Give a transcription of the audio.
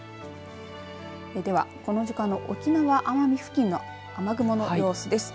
ではこの時間の沖縄奄美付近の雨雲の様子です。